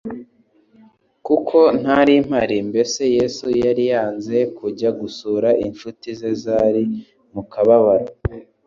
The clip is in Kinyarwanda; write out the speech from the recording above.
kuko ntari mpari.» Mbese Yesu yari yanze kujya gusura incuti ze zari mu kababaro